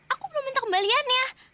aku belum minta kembalian ya